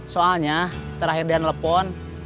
soalnya terakhir dia nelfon